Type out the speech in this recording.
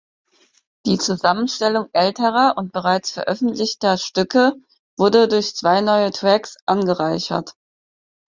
Die Zusammenstellung älterer und bereits veröffentlichter Stücke, wurde durch zwei neue Tracks angereichert.